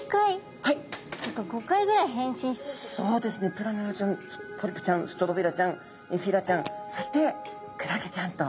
プラヌラちゃんポリプちゃんストロビラちゃんエフィラちゃんそしてクラゲちゃんと。